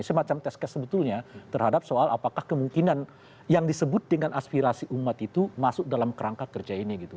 semacam test case sebetulnya terhadap soal apakah kemungkinan yang disebut dengan aspirasi umat itu masuk dalam kerangka kerja ini gitu